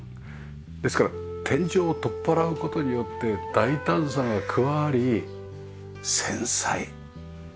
ですから天井を取っ払う事によって大胆さが加わり繊細同居ですよね。